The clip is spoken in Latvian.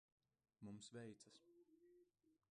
Mums veicas.